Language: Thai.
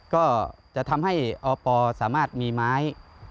ก็จะทำให้อปสามารถมีไม้